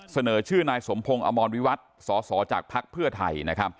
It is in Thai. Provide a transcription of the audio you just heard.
เสนอชื่อนายสมพงษ์อมอนวิวัตรสศจักรภักษ์เภือไทย